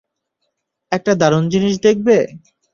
একটা দারুণ জিনিস দেখবে?